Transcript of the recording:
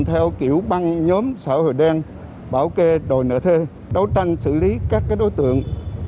theo kiểu băng nhóm xã hội đen bảo kê đòi nợ thuê đấu tranh xử lý các đối tượng